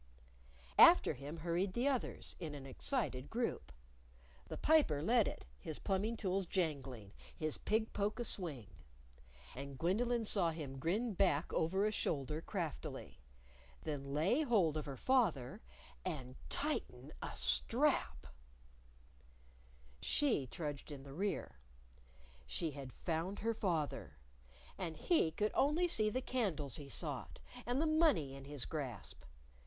_" After him hurried the others in an excited group. The Piper led it, his plumbing tools jangling, his pig poke a swing. And Gwendolyn saw him grin back over a shoulder craftily then lay hold of her father and tighten a strap. She trudged in the rear. She had found her father and he could see only the candles he sought, and the money in his grasp!